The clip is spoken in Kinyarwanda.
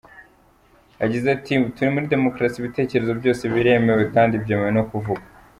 Yagize ati“Turi muri demukarasi, ibitekerezo byose biremewe kandi byemewe no kuvugwa.